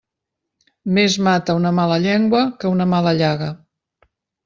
Més mata una mala llengua que una mala llaga.